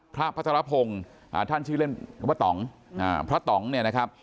พระพระศรพงศ์อ่าท่านชื่อเล่นพระตำอ่าพระตำเนี้ยนะครับ